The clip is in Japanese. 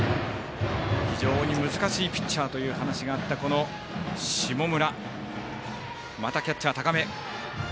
非常に難しいピッチャーという話があった下村。